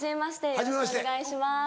よろしくお願いします。